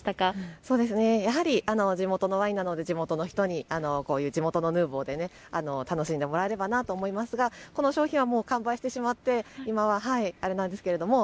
そうですね、やはり地元のワインなので、地元の人に、こういう地元のヌーボーで楽しんでもらえればなと思いますが、この商品はもう完売してしまって今はあれなんですけれども。